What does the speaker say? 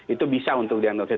itu bisa untuk diagnostik